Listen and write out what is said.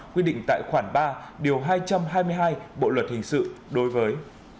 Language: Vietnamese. quy định tại khoản ba điều hai trăm hai mươi hai bộ luật hình sự đối với